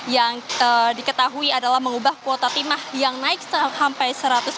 yang diketahui adalah mengubah kuota timah yang naik sampai seratus